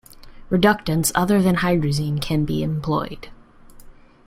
Reductants other than hydrazine can be employed.